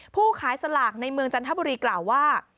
ผู้ขายสลากในเมืองจันทบุรีกล่าวว่า